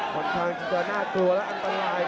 ค่อนข้างที่จะน่ากลัวและอันตราย